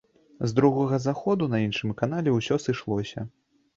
З другога заходу на іншым канале ўсё сышлося.